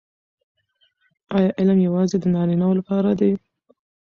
آیا علم یوازې د نارینه وو لپاره دی؟